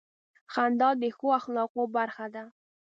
• خندا د ښو اخلاقو برخه ده.